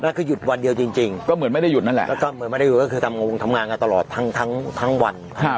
แล้วคือหยุดวันเดียวจริงจริงก็เหมือนไม่ได้หยุดนั่นแหละ